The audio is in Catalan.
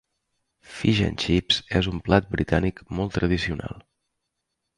"Fish and chips" és un plat britànic molt tradicional